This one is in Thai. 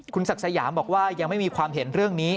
คุณศักดิ์สยามบอกว่ายังไม่มีความเห็นเรื่องนี้